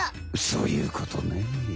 そういうことね。